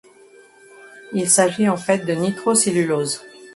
Il s'agit en fait de nitrocellulose.